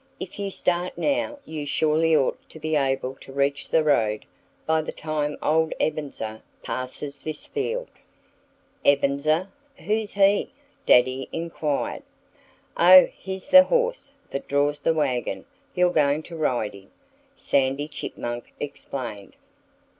"If you start now you surely ought to be able to reach the road by the time old Ebenezer passes this field." "Ebenezer! Who's he?" Daddy inquired. "Oh! He's the horse that draws the wagon you're going to ride in," Sandy Chipmunk explained.